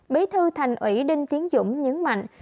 bí thư thành nguy đinh tiến dũng nhấn mạnh